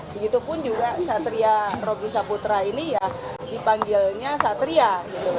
begitupun juga satria roby saputra ini ya dipanggilnya satria